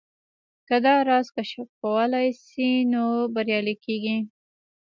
که دا راز کشفولای شئ نو بريالي کېږئ.